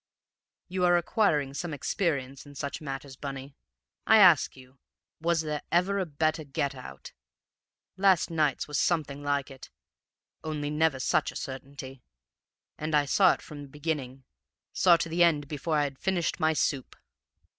You are acquiring some experience in such matters, Bunny. I ask you, was there ever a better get out? Last night's was something like it, only never such a certainty. And I saw it from the beginning saw to the end before I had finished my soup!